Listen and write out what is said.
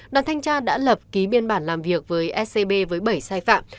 đoàn thanh tra đã lập ký biên bản làm việc với ecb với bảy sai phạm